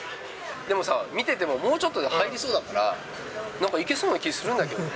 でもさ、見ててももうちょっとで入りそうだから、なんかいけそうな気するんだけどね。